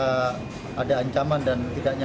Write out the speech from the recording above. kemudian kita akan balas ekspoken makernya